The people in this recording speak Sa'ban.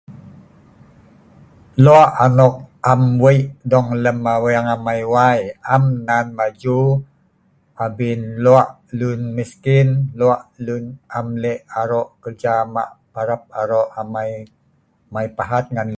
Lo’o’ anok am wei dong lem aweng amai wai , am nan maju abien lo’o luen miskin luen am le’ aroq kerja maq parap aroq amai mai pahaat ngan